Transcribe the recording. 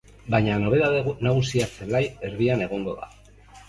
Baina nobedade nagusia zelai erdian egongo da.